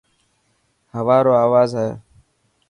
هوا رو آواز هي.